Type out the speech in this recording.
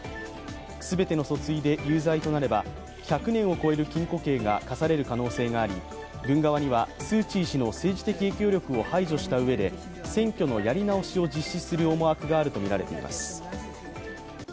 全ての訴追で有罪となれば１００年を超える禁固刑が科される可能性があり軍側には、スー・チー氏の政治的影響力を排除したうえで選挙のやり直しを実施する思惑があるとみられています。